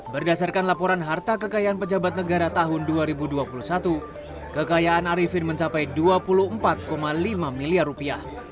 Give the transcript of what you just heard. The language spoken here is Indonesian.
berdasarkan laporan harta kekayaan pejabat negara tahun dua ribu dua puluh satu kekayaan arifin mencapai dua puluh empat lima miliar rupiah